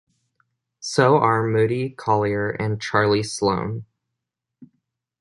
So are Moody Collier and Charlie Sloane.